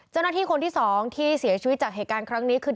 เจ้าหน้าที่คนที่๒ที่เสียชีวิตจากเหตุการณ์ครั้งนี้คือ